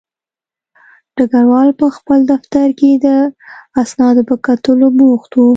ډګروال په خپل دفتر کې د اسنادو په کتلو بوخت و